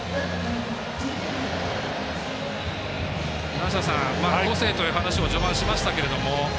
梨田さん、個性という話を序盤しましたけども。